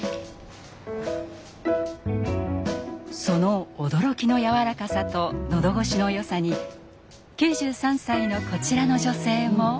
その驚きのやわらかさと喉越しのよさに９３歳のこちらの女性も。